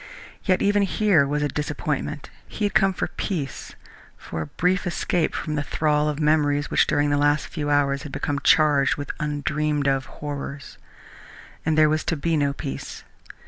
Yet even here was a disappointment. He had come for peace, for a brief escape from the thrall of memories which during the last few hours had become charged with undreamed of horrors and there was to be no peace.